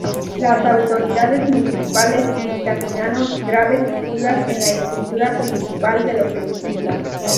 Las autoridades municipales dictaminaron graves fisuras en la estructura principal de los edificios.